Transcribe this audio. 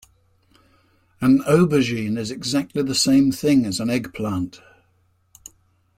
An aubergine is exactly the same thing as an eggplant